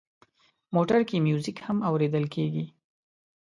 موټر کې میوزیک هم اورېدل کېږي.